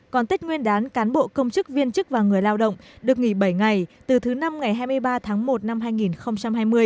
còn tết nguyên đán cán bộ công chức viên chức và người lao động được nghỉ bảy ngày từ thứ năm ngày hai mươi ba tháng một năm hai nghìn hai mươi